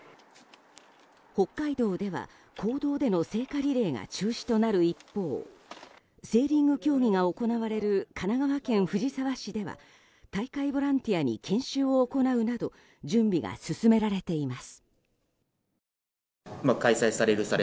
北海道では、公道での聖火リレーが中止となる一方でセーリング競技が行われる神奈川県藤沢市では大会ボランティアに研修を行うなど準備が進められています。